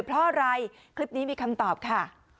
เพราะอะไรคลิปนี้มีคำตอบค่ะ